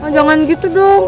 jangan gitu dong